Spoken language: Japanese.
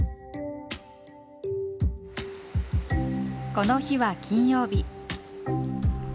この日は金曜日。